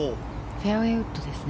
フェアウェーウッドです。